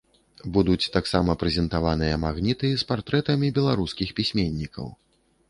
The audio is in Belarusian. Будуць таксама прэзентаваныя магніты з партрэтамі беларускіх пісьменнікаў.